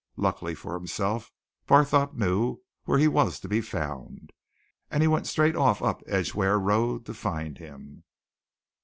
Luckily for himself, Barthorpe knew where he was to be found, and he went straight off up Edgware Road to find him.